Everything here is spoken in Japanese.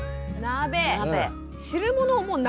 鍋！